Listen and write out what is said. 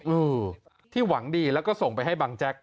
เออที่หวังดีแล้วก็ส่งไปให้บังแจ๊ก